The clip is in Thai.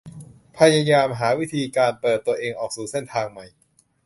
พยายามหาวิธีการเปิดตัวเองออกสู่เส้นทางใหม่